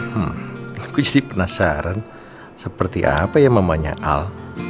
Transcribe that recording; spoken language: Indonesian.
hmm aku jadi penasaran seperti apa ya mamanya al